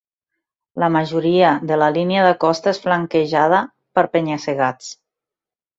La majoria de la línia de costa és flanquejada per penya-segats.